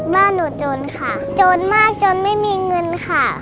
บ้านหนูจนค่ะจนมากจนไม่มีเงินค่ะ